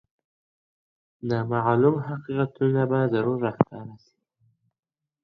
نامعلوم حقیقتونه به ضرور راښکاره سي.